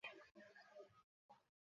পরদিন কুড়ানির আর দেখা পাওয়া গেল না।